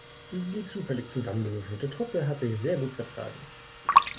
Die zufällig zusammengewürfelte Truppe hat sich sehr gut vertragen.